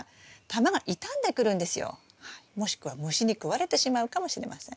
もしくは虫に食われてしまうかもしれません。